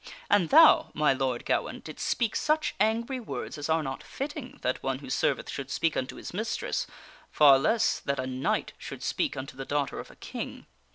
And thou, my lord Gawaine, didst speak such were commands angry words as are not fitting that one who serveth should to serve the speak unto his mistress, far less that a knight should speak gardener's boy. unto t he daughter of a king.